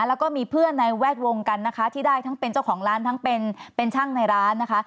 แล้วก็มีเพื่อนในแวดวงกันนะคะที่ได้ทั้งเป็นเจ้าของร้านทั้งเป็นช่างในร้านนะคะ